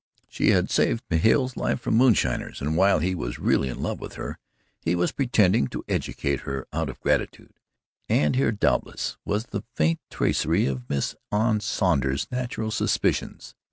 She had saved Hale's life from moonshiners and while he was really in love with her, he was pretending to educate her out of gratitude and here doubtless was the faint tracery of Miss Anne Saunder's natural suspicions.